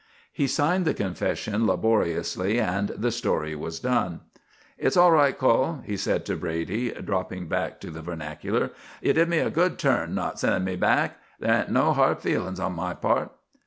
He signed the confession laboriously, and the story was done. "It's all right, cull," he said to Brady, dropping back to the vernacular. "You did me a good trick not sending me back. There ain't no hard feelings on my part."